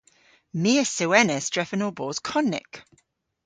My a sewenas drefen ow bos konnyk.